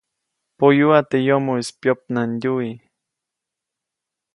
Poyuʼa teʼ yomoʼis pyopnamdyuwi.